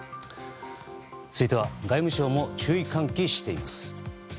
続いては外務省も注意喚起しています。